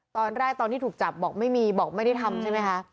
ตอนที่ถูกจับบอกไม่มีบอกไม่ได้ทำใช่ไหมคะ